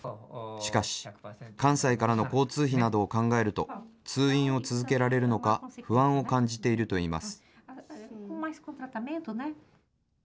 しかし、関西からの交通費などを考えると、通院を続けられるのか、不安を感じているといいます。